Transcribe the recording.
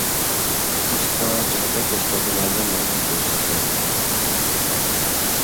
اس کا جاتک اس کا جنازہ ما نہ پوہچ سکیا